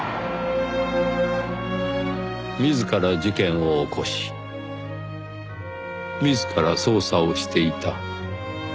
自ら事件を起こし自ら捜査をしていた。